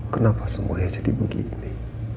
kenapa semuanya jadi begini